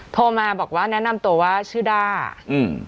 โทรมาบอกว่าแนะนำตัวว่าชื่อด้าอืม